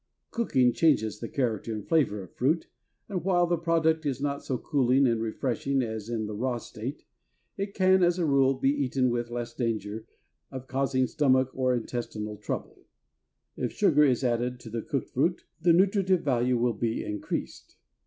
Cooking changes the character and flavor of fruit, and while the product is not so cooling and refreshing as in the raw state, it can, as a rule, be eaten with less danger of causing stomach or intestinal trouble. If sugar be added to the cooked fruit, the nutritive value will be increased.